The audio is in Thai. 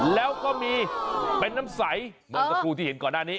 แล้วก็มีเป็นน้ำใสเหมือนสักครู่ที่เห็นก่อนหน้านี้